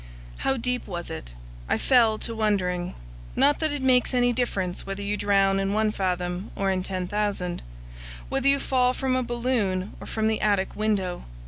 How deep was it? I fell to wondering! Not that it makes any difference whether you drown in one fathom or in ten thousand, whether you fall from a balloon or from the attic window.